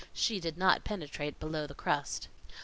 She did not penetrate below the crust.